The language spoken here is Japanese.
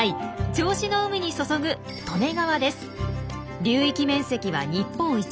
銚子の海に注ぐ流域面積は日本一。